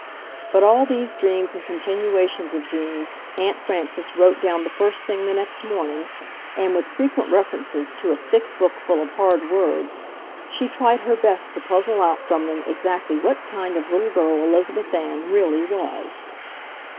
But all these dreams and continuations of dreams Aunt Frances wrote down the first thing the next morning, and, with frequent references to a thick book full of hard words, she tried her best to puzzle out from them exactly what kind of little girl Elizabeth Ann really was.